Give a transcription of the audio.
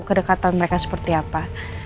kedekatan mereka seperti apa